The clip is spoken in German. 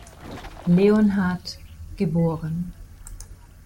Leonhardt, geboren.